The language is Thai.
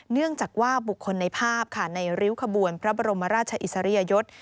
เนื่องจากว่าบุคคลในภาพค่ะในริ้วขบวนพระบรมราชอิสริยยศ